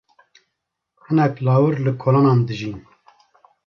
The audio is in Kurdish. Hinek lawir li kolanan dijîn.